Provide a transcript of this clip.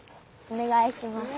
お願いします。